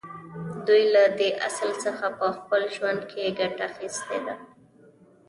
دوی له دې اصل څخه په خپل ژوند کې ګټه اخیستې ده